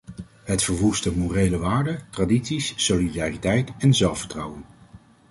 Het verwoestte morele waarden, tradities, solidariteit en zelfvertrouwen.